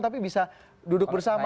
tapi bisa duduk bersama